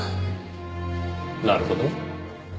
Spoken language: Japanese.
なるほど。